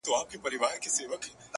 ښه په کټ کټ مي تدبير را سره خاندي,